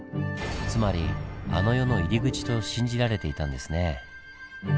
つまりあの世の入り口と信じられていたんですね。